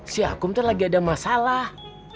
si akum tuh lagi ada masalah